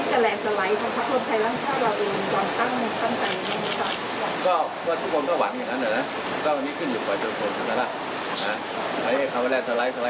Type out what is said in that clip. เห็นไหมเพราะถ้าลงไม่ดีก็สไลด์ออกนอกเลนไปเป็นเจ็บตัวอีกนะ